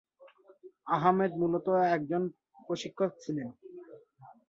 আহমাদ মূলত ফুটবল প্রশিক্ষক ছিলেন।